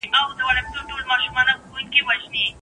تل له خپلو ورځنیو تېروتنو څخه پند واخلئ.